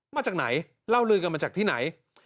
มาจากไหนเล่าลือกันมาจากที่ไหน